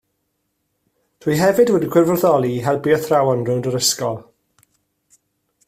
Dwi hefyd wedi gwirfoddoli i helpu athrawon rownd yr ysgol